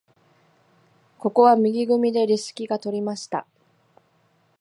ここは右組でレシキが取りました。